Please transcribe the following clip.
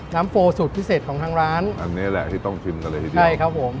โฟสูตรพิเศษของทางร้านอันนี้แหละที่ต้องชิมกันเลยทีเดียวใช่ครับผม